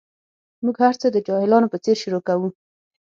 موږ هر څه د جاهلانو په څېر شروع کوو.